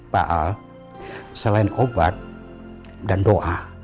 pak al selain obat dan doa